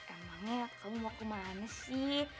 emangnya kamu mau kemana sih